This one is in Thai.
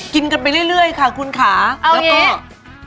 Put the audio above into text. กินกันไปเรื่อยค่ะคุณค่ะแล้วก็